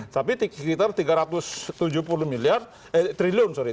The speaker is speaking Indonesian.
tapi sekitar tiga ratus tujuh puluh miliar eh triliun sorry